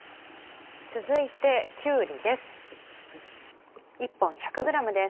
続いてきゅうりです。